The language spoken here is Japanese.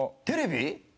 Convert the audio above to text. テレビ？